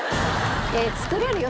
作れるよ？